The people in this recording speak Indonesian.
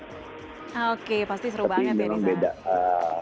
tapi belum beda